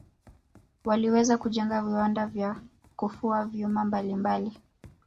waliweza kujenga viwanda vya kufua vyuma mbalimbali